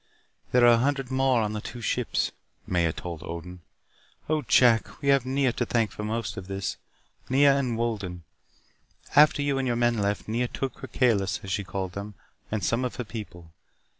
"There are a hundred more on the two ships," Maya told Odin. "Oh, Jack, we have Nea to thank for most of this. Nea and Wolden. After you and your men left, Nea took her Kalis, as she called them, and some of her people.